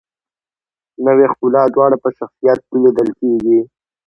نوې ښکلا دواړه په شخصیت کې لیدل کیږي.